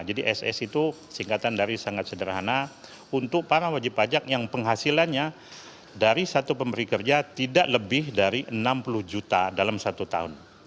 jadi ss itu singkatan dari sangat sederhana untuk para wajib pajak yang penghasilannya dari satu pemberi kerja tidak lebih dari enam puluh juta dalam satu tahun